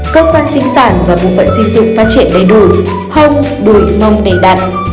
cơ quan sinh sản và bộ phận sinh dục phát triển đầy đủ hông đuối mông đầy đặt